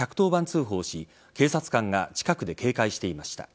通報し警察官が近くで警戒していました。